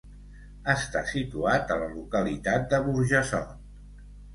Està situat a la localitat de Burjassot.